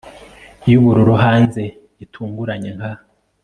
yubururu hanze gitunguranye nka